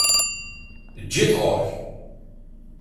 Eǧǧ-it ɣuṛ-k!